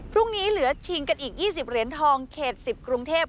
พรุ่งนี้เหลือชิงกันอีก๒๐เหรียญทองเขต๑๐กรุงเทพ